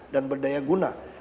dan berdaya guna